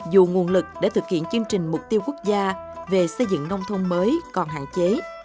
dù nguồn lực để thực hiện chương trình mục tiêu quốc gia về xây dựng nông thôn mới còn hạn chế